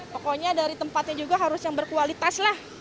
pokoknya dari tempatnya juga harus yang berkualitas lah